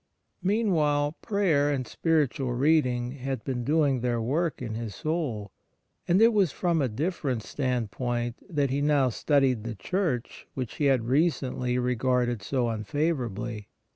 Meanwhile prayer and spiritual reading Memoir of Father Fabcr 5 had been doing their work in his soul, and it was from a different standpoint that he now studied the Church which he had recently regarded so unfavourably.